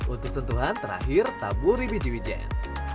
untuk sentuhan terakhir taburi biji wijen